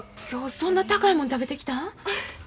今日そんな高いもん食べてきたん？